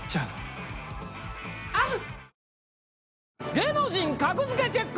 『芸能人格付けチェック！』。